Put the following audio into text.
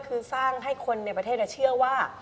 คือสร้างให้คนในประเทศเชื่อว่า